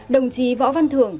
đồng chí võ văn thượng